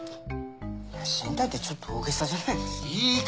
進退ってちょっとおおげさじゃないですか。